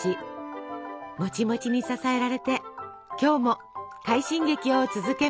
もちもちに支えられて今日も快進撃を続けます。